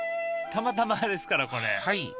たまたまですからこれ。